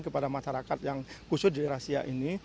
kepada masyarakat yang khusus di razia ini